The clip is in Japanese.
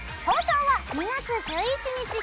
放送は２月１１日